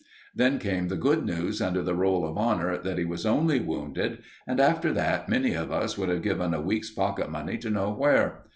Then came the good news under the Roll of Honour that he was only wounded, and after that, many of us would have given a week's pocket money to know where.